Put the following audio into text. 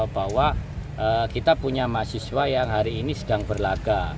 bahwa kita punya mahasiswa yang hari ini sedang berlaga